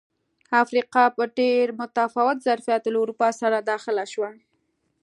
افریقا په ډېر متفاوت ظرفیت له اروپا سره داخله شوه.